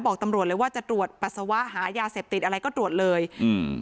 บอกตำรวจเลยว่าจะตรวจปัสสาวะหายาเสพติดอะไรก็ตรวจเลยอืม